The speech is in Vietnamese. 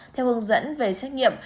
theo hướng dẫn về xét nghiệm